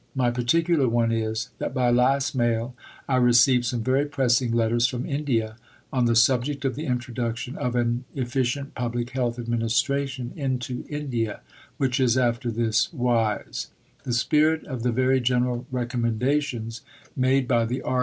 My particular one is: that by last mail I received some very pressing letters from India on the subject of the introduction of an efficient Public Health administration into India, which is after this wise: the spirit of the very general recommendations made by the R.